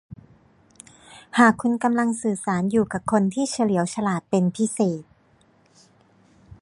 หากคุณกำลังสื่อสารอยู่กับคนที่เฉลียวฉลาดเป็นพิเศษ